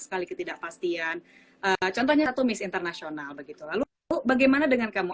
sekali ketidakpastian contohnya satu miss international begitu lalu bu bagaimana dengan kamu